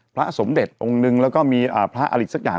พระสมเด็จองค์นึงแล้วก็มีพระอะไรสักอย่าง